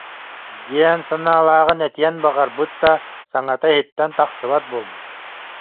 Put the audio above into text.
диэн санаалааҕын этиэн баҕарбыт да, саҥата иһиттэн тахсыбат буолбут